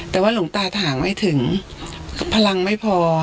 แต่ว่าหลวงตาถ่างไม่ถึงพลังไม่พอ